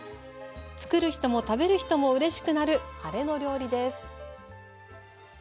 作る人も食べる人もうれしくなるハレの料理です。